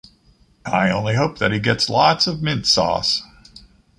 I only hope that he gets lots of mint sauce.